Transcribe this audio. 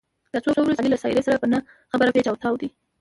دا څو ورځې علي له سارې سره په نه خبره پېچ او تاو دی.